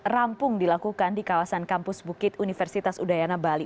rampung dilakukan di kawasan kampus bukit universitas udayana bali